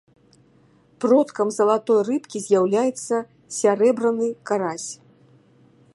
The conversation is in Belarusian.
Продкам залатой рыбкі з'яўляецца сярэбраны карась.